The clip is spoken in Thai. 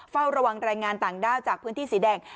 เฝ้าระวังแรงงานต่างด้าวจากพื้นที่สีแดง